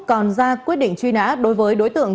còn ra quyết định truy nã đối với đối tượng